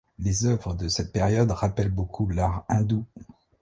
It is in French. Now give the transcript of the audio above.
Les œuvres de cette période rappellent beaucoup l'art hindou.